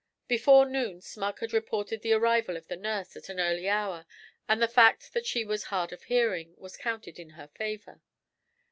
Before noon Smug had reported the arrival of the nurse at an early hour, and the fact that she was 'hard of hearing' was counted in her favour.